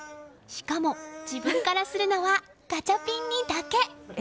しかも自分からするのはガチャピンにだけ。